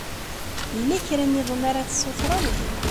Yella kra niḍen ara d-tessutreḍ?